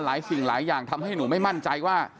สิ่งหลายอย่างทำให้หนูไม่มั่นใจว่า